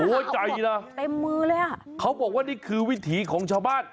ใจนะเต็มมือเลยอ่ะเขาบอกว่านี่คือวิถีของชาวบ้าน